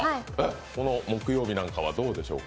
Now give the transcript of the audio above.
木曜日なんかはどうでしょうか？